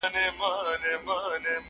یار په مینه کي هم خوی د پښتون غواړم